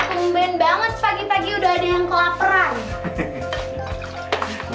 tungguin banget pagi pagi udah ada yang kelaperan